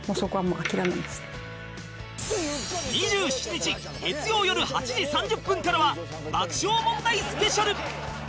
２７日月曜よる８時３０分からは爆笑問題スペシャル！